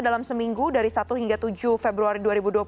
dalam seminggu dari satu hingga tujuh februari dua ribu dua puluh